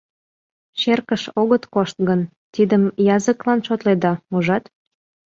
Черкыш огыт кошт гын, тидым языклан шотледа, ужат?